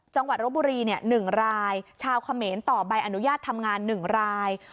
รบบุรี๑รายชาวเขมรต่อใบอนุญาตทำงาน๑ราย